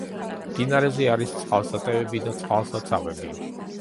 მდინარეზე არის წყალსატევები და წყალსაცავები.